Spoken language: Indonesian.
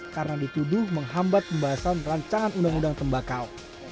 karena dituduh menghambat pembahasan rancangan undang undang tembakau